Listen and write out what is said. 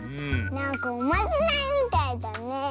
なんかおまじないみたいだね。